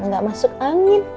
gak masuk angin